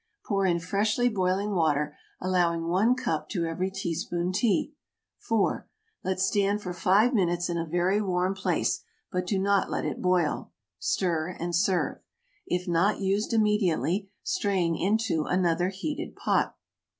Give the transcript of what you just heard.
Pour in freshly boiling water, allowing 1 cup to every teaspoon tea. 4. Let stand for 5 minutes in a very warm place, but do not let it boil. Stir, and serve. If not used immediately, strain into another heated pot.